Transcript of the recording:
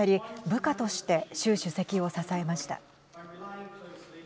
部下として習主席を支えました。